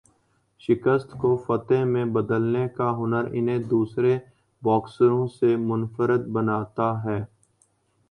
شکست کو فتح میں بدلنے کا ہنر انہیں دوسرے باکسروں سے منفرد بناتا ہے